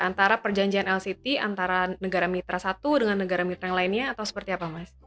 antara perjanjian lct antara negara mitra satu dengan negara mitra yang lainnya atau seperti apa mas